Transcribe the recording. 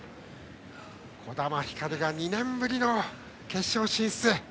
児玉ひかるが２年ぶりの決勝進出。